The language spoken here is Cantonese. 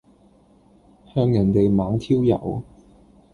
向人地猛挑誘